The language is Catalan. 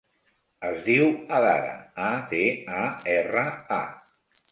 Es diu Adara: a, de, a, erra, a.